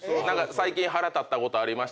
最近腹立ったことありますか？